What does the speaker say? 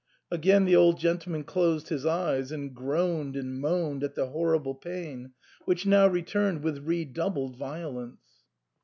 Again the old gentleman closed his eyes, and groaned and moaned at the horrible pain, which now returned with redoubled violence.